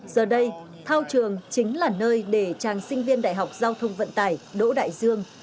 giờ đây thao trường chính là nơi để chàng sinh viên đại học giao thông vận tải đỗ đại dương